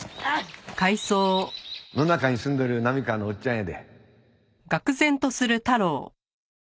野中に住んどる波川のおっちゃんやで。